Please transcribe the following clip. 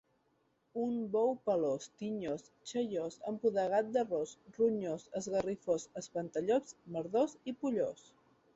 Un bou pelós, tinyós, xaiós, empudegat de ros, ronyós, esgarrifós, espantallops, merdós i pollós.